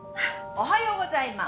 おはようございます。